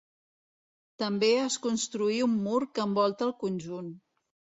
També es construí un mur que envolta el conjunt.